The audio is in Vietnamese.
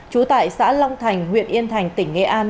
trú tại xã long thành huyện yên thành tỉnh nghệ an